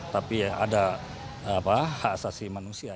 tapi ada hak asasi manusia